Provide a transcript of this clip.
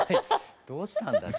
どうしたんだって。